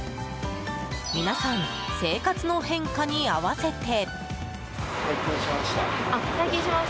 皆さん、生活の変化に合わせて。